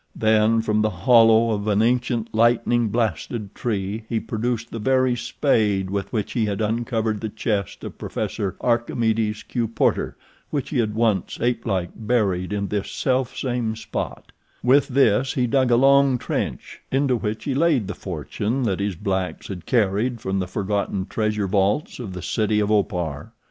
Then from the hollow of an ancient, lightning blasted tree he produced the very spade with which he had uncovered the chest of Professor Archimedes Q. Porter which he had once, apelike, buried in this selfsame spot. With this he dug a long trench, into which he laid the fortune that his blacks had carried from the forgotten treasure vaults of the city of Opar.